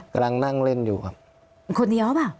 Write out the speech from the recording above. กำลังนั่งเล่นอยู่ครับ